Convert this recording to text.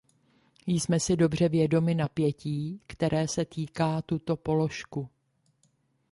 Jsme si dobře vědomi napětí, které se týká tuto položku.